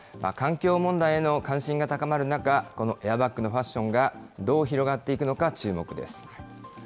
環境問題への関心が高まる中、このエアバッグのファッションがどう広がっていくのか注目です。